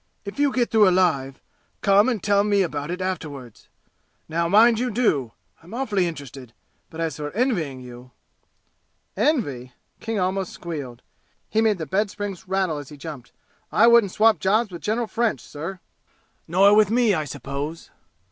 "If you get through alive, come and tell me about it afterward. Now, mind you do! I'm awfully interested, but as for envying you " "Envy!" King almost squealed. He made the bed springs rattle as he jumped. "I wouldn't swap jobs with General French, sir!" "Nor with me, I suppose!"